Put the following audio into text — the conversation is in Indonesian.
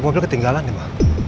mobil ketinggalan nih ma